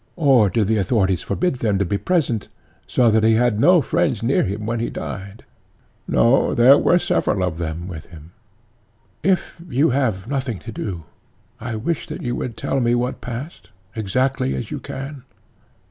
Or did the authorities forbid them to be present—so that he had no friends near him when he died? PHAEDO: No; there were several of them with him. ECHECRATES: If you have nothing to do, I wish that you would tell me what passed, as exactly as you can.